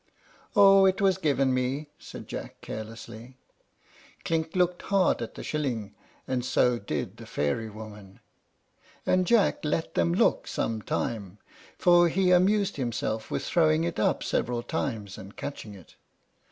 "Oh, it was given me," said Jack, carelessly. Clink looked hard at the shilling, and so did the fairy woman, and Jack let them look some time, for he amused himself with throwing it up several times and catching it.